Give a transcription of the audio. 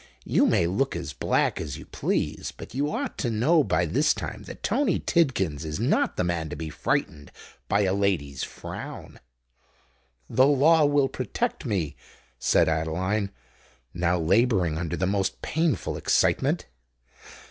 You may look as black as you please: but you ought to know by this time that Tony Tidkins is not the man to be frightened by a lady's frown." "The law will protect me," said Adeline, now labouring under the most painful excitement.